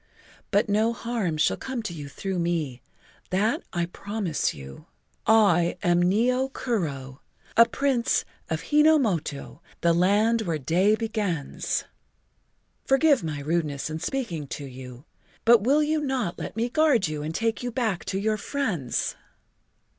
But no harm shall come to you through me—that I promise you. I am Nio Kuro, a Prince of Hi no moto, the Land Where the Day Begins. Forgive my rudeness in speaking to you, but will you not let me guard you and take you back to your friends?"